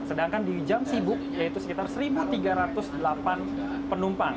sedangkan di jam sibuk yaitu sekitar satu tiga ratus delapan penumpang